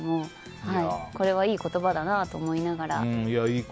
これはいい言葉だなと思いながら。